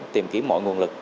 tìm kiếm mọi nguồn lực